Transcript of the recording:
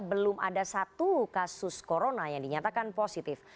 belum ada satu kasus corona yang dinyatakan positif